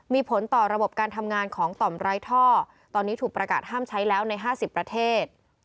มีผลต่อระบบการทำงานของต่อมไร้ท่อตอนนี้ถูกประกาศห้ามใช้แล้วใน๕๐ประเทศ